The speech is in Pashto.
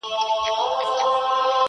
یار راوړی له سپوږمۍ ګل د سوما دی,